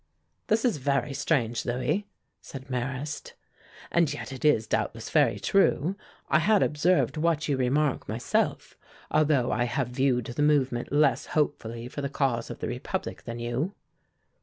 "This is very strange, Louis," said Marrast, "and yet it is, doubtless, very true. I had observed what you remark myself, although I have viewed the movement less hopefully for the cause of the Republic than you."